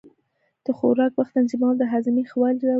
د خوراک وخت تنظیمول د هاضمې ښه والی راولي.